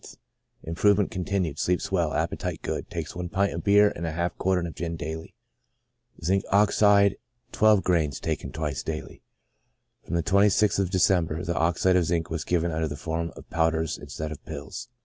— Improvement continued, sleeps well, appetite good; takes one pint of beer and half a quartern of gin, daily. Zinc. Ox., gr.xij, bis die. (From the 26th of December, the oxide of zinc was given under the form of powders instead of pills.)